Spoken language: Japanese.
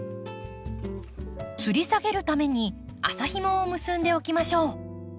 つり下げるために麻ひもを結んでおきましょう。